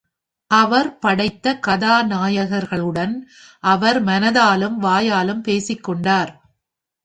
அவர் படைத்த கதாநாயகர்களுடன் அவர் மனதாலும் வாயாலும் பேசிக்கொண்டார்.